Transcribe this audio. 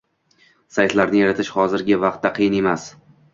Saytlarni yaratish hozirgi vaqtda qiyin emas